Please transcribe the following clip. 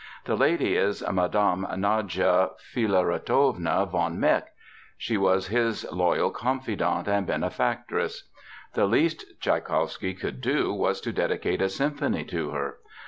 The lady is Madame Nadia Filaretovna von Meck. She was his loyal confidante and benefactress. The least Tschaikowsky could do was to dedicate a symphony to her.